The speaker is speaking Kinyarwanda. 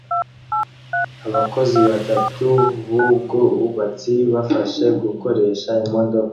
Abakozi batatu b'ubwubatsi bafasha gukoresha imodoka